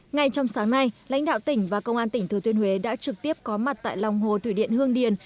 ngay trong sáng nay lãnh đạo tỉnh và công an tỉnh thừa thiên huế đã trực tiếp có mặt tại lòng hồ thủy điện hương điền